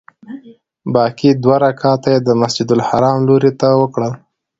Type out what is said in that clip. باقي دوه رکعته یې د مسجدالحرام لوري ته وکړل.